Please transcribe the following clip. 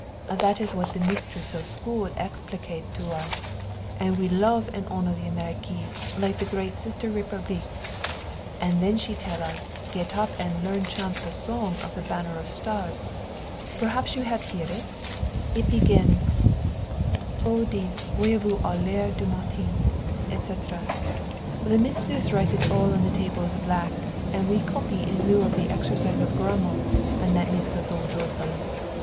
That is what the mistress of school explicate to us, and we love and honor the Amerique like the great sister Republique, and then she tell us get up and learn chant the song of the Banner of Stars. Perhaps you have hear it? It begin: "Oh, dites, voyez vous aux lueurs du matin" etc. The mistress write it all on the tables black, and we copy in lieu of the exercise of grammar, and it make us all joyful.